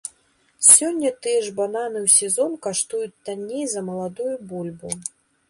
Сёння тыя ж бананы ў сезон каштуюць танней за маладую бульбу.